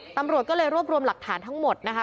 ตำรวจก็เลยรวบรวมหลักฐานทั้งหมดนะคะ